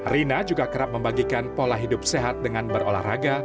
rina juga kerap membagikan pola hidup sehat dengan berolahraga